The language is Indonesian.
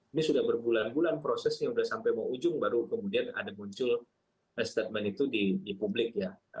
ini sudah berbulan bulan prosesnya sudah sampai mau ujung baru kemudian ada muncul statement itu di publik ya